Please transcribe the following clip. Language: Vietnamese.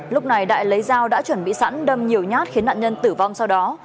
lúc này đại lấy dao đã chuẩn bị sẵn đâm nhiều nhát khiến nạn nhân tử vong sau đó